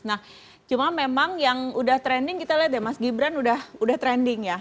nah cuma memang yang udah trending kita lihat ya mas gibran udah trending ya